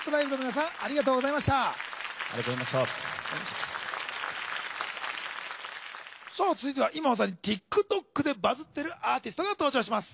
さあ続いては今まさにＴｉｋＴｏｋでバズってるアーティストが登場します。